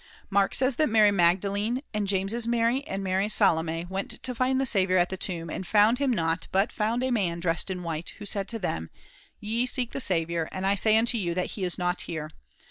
Mark says that Mary Magdalene and James' Mary and Mary Salome went to find the Saviour at the tomb, and found him not, but found a man dressed in white, who said to them :' Ye seek the Saviour, and I say unto you that he is not here.